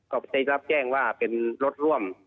ก็ได้รับแจ้งว่าเป็นรถร่วม